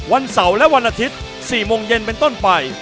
วันเสาร์และวันอาทิตย์๔โมงเย็นเป็นต้นไป